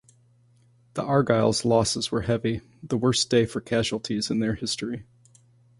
The Argylls' losses were heavy, the worst day for casualties in their history.